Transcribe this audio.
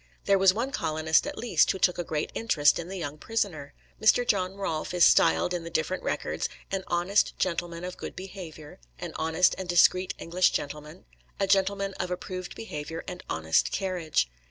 There was one colonist at least who took a great interest in the young prisoner. Mr. John Rolfe is styled in the different records "an honest gentleman of good behaviour," "an honest and discreet English gentleman," "a gentleman of approved behaviour and honest carriage."